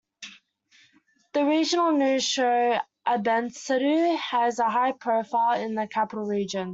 The regional news show "Abendschau" has a high profile in the capital region.